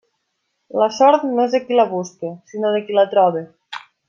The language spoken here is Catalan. La sort no és de qui la busca, sinó de qui la troba.